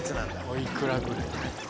おいくらぐらい？